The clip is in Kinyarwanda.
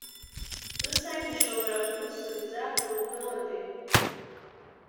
rusange ishobora kumusubiza ku rutonde